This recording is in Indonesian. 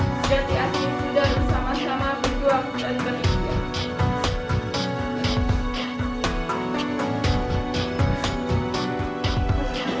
hai jati asli tidak bersama sama berjuang dan berhenti